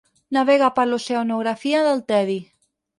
Navega per l'oceanografia del tedi.